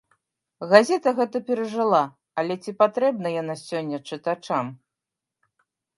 Газета гэта перажыла, але ці патрэбна яна сёння чытачам?